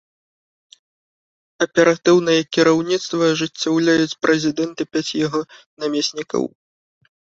Аператыўнае кіраўніцтва ажыццяўляюць прэзідэнт і пяць яго намеснікаў.